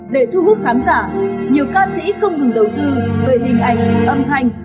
để thu hút khán giả nhiều ca sĩ không ngừng đầu tư về hình ảnh âm thanh